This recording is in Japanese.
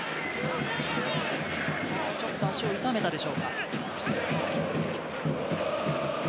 ちょっと足を痛めたでしょうか。